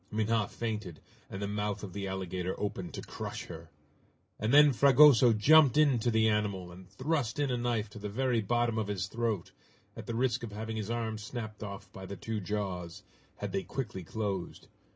Minha fainted, and the mouth of the alligator opened to crush her! And then Fragoso jumped in to the animal, and thrust in a knife to the very bottom of his throat, at the risk of having his arm snapped off by the two jaws, had they quickly closed.